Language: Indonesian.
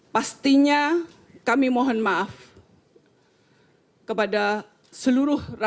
pastinya kami mohon maaf kepada seluruh rakyat